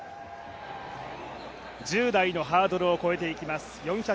１０台のハードルを越えていきます